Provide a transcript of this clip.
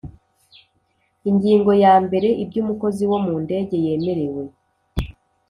Ingingo ya mbere Ibyo umukozi wo mu ndege yemerewe